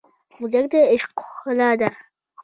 موزیک د عشقه ښکلا ده.